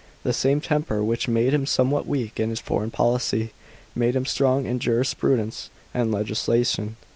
The same temper which made him somewhat weak in his foreign policy, made him strong in jurisprudence and legislation.